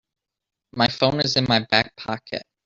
My phone is in my back pocket.